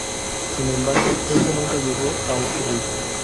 Sin embargo, esto nunca llegó a ocurrir.